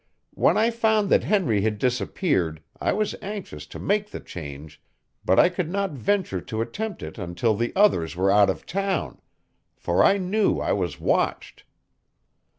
When I found that Henry had disappeared I was anxious to make the change, but I could not venture to attempt it until the others were out of town, for I knew I was watched.